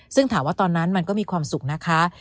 ซึ่งถามว่าตอนนั้นมันก็มีความสุขนะคะ